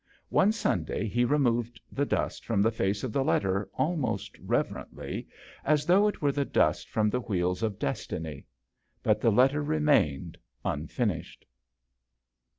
One Sunday he removed the dust from the face of the letter almost reverently, as though it were the dust from the wheels of destiny. But the letter remained unfinished.